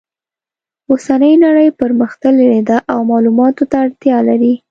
اوسنۍ نړۍ پرمختللې ده او معلوماتو ته اړتیا لري